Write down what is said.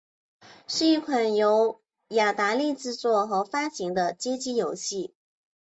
是一款由雅达利制作和发行的街机游戏。